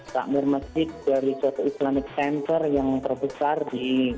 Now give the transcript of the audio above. takmir masjid dari suatu islamic center yang terbesar di